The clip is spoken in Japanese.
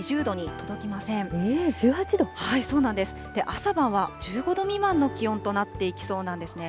朝晩は１５度未満の気温となっていきそうなんですね。